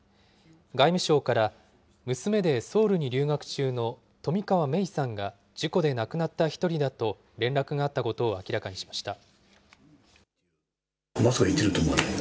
外務省から、娘でソウルに留学中の冨川芽生さんが事故で亡くなった一人だと連絡があったことを明らかにしました。